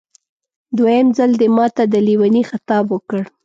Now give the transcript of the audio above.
دویم ځل دې ماته د لېوني خطاب وکړ.